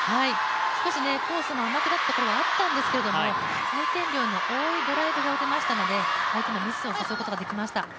少しコースも甘くなったところがあったんですけれども、回転量の多いドライブが打てましたので相手のミスを誘うことができました。